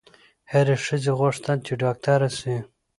هري ښځي غوښتل چي ډاکټره سي